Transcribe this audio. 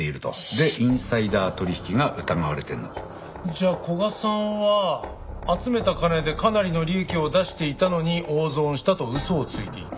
でインサイダー取引が疑われてるの。じゃあ古賀さんは集めた金でかなりの利益を出していたのに大損したと嘘をついていた。